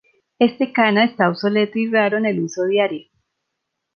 Este kana está obsoleto y raro en el uso diario.